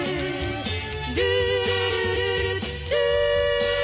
「ルールルルルルー」